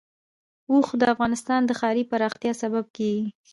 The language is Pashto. اوښ د افغانستان د ښاري پراختیا سبب کېږي.